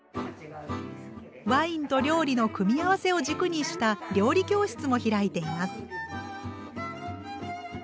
ワインと料理の組み合わせを軸にした料理教室も開いています。